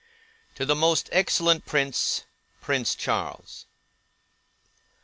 TO THE MOST EXCELLENT PRINCE, PRINCE CHARLES.